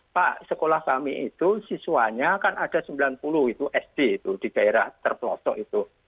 pak sekolah kami itu siswanya kan ada sembilan puluh itu sd itu di daerah terpelosok itu